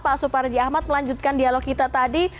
pak suparji ahmad melanjutkan dialog kita tadi